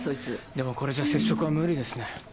でもこれじゃ接触は無理ですね。